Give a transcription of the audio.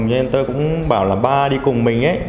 nên tôi cũng bảo là ba đi cùng mình